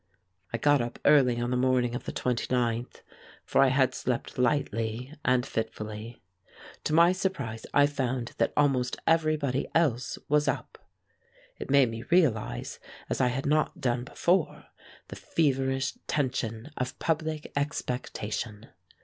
I got up early on the morning of the 29th, for I had slept lightly and fitfully. To my surprise I found that almost everybody else was up. It made me realize, as I had not done before, the feverish tension of public expectation.